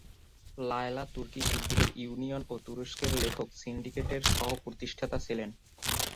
লায়লা তুর্কি শিল্পীদের ইউনিয়ন ও তুরস্কের লেখক সিন্ডিকেটের সহ-প্রতিষ্ঠাতা ছিলেন।